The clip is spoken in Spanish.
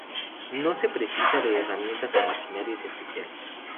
No se precisa de herramientas o maquinaria especial.